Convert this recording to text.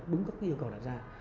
đúng các yêu cầu đạt ra